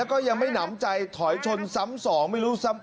แล้วก็ยังไม่หนำใจถอยชนซ้ำสองไม่รู้ซ้ำ